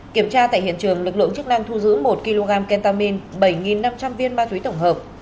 kiểm tra tại hiện trường lực lượng chức năng thu giữ một kg kentamin bảy năm trăm linh biên phòng tỉnh hà tĩnh